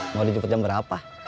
mau dijemput jam berapa